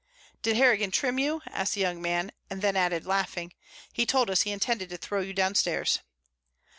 "Did Harrigan trim you?" asked the young man, and then added, laughing, "He told us he intended to throw you down stairs."